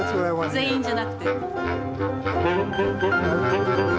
全員じゃなくて。